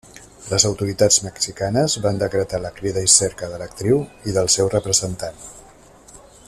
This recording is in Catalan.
Les autoritats mexicanes van decretar la crida i cerca de l'actriu i del seu representant.